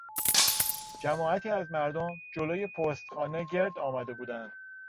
جماعتی از مردم جلو پستخانه گرد آمده بودند.